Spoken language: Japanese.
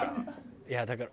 いやだから。